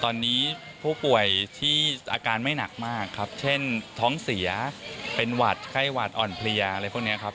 ตอนนี้ผู้ป่วยที่อาการไม่หนักมากครับเช่นท้องเสียเป็นหวัดไข้หวัดอ่อนเพลียอะไรพวกนี้ครับ